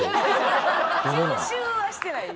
吸収はしてない。